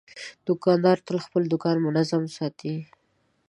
دوکاندار تل خپل دوکان منظم ساتي.